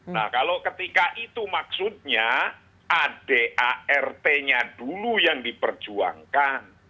nah kalau ketika itu maksudnya adart nya dulu yang diperjuangkan